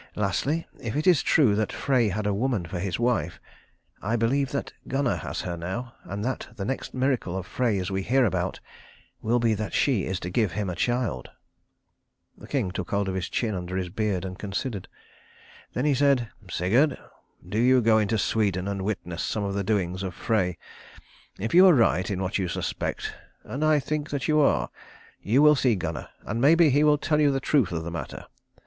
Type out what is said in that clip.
Lastly, if it is true that Frey had a woman for his wife, I believe that Gunnar has her now, and that the next miracle of Frey's we hear about will be that she is to give him a child." The king took hold of his chin under his beard, and considered. Then he said, "Sigurd, do you go into Sweden and witness some of the doings of Frey. If you are right in what you suspect and I think that you are you will see Gunnar, and maybe he will tell you the truth of the matter.